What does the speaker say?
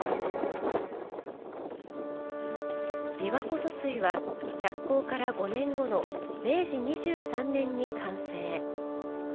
琵琶湖疎水は着工から５年後の明治２３年に完成。